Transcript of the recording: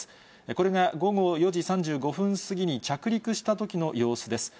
これが午後４時３５分過ぎに着陸したときの様子です。